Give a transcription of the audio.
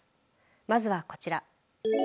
まずはこちら。